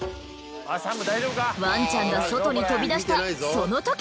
ワンちゃんが外に飛び出したそのとき！